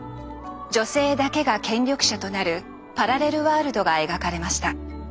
女性だけが権力者となるパラレルワールドが描かれました。